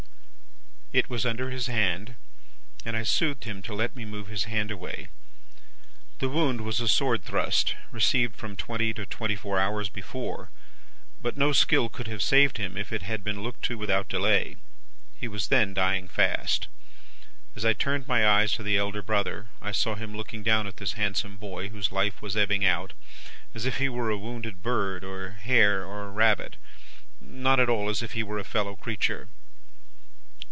"It was under his hand, and I soothed him to let me move his hand away. The wound was a sword thrust, received from twenty to twenty four hours before, but no skill could have saved him if it had been looked to without delay. He was then dying fast. As I turned my eyes to the elder brother, I saw him looking down at this handsome boy whose life was ebbing out, as if he were a wounded bird, or hare, or rabbit; not at all as if he were a fellow creature.